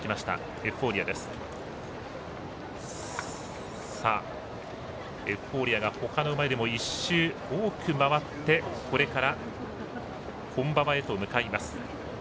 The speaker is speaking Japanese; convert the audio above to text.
エフフォーリアがほかの馬よりも１周多く回ってこれから本馬場へと向かいます。